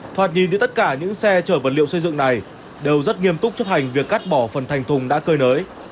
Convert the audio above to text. thoạt nhìn thấy tất cả những xe trở vật liệu xây dựng này đều rất nghiêm túc cho thành việc cắt bỏ phần thành thùng đã cơi nới